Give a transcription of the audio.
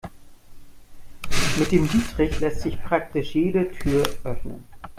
Mit dem Dietrich lässt sich praktisch jede Tür öffnen.